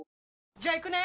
じゃあ行くね！